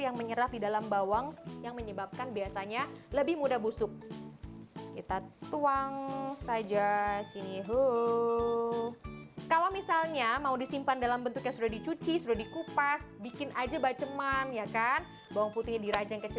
yang menyerap di dalam bawang yang menyebabkan biasanya lebih mudah busuk lebih mudah busuk dan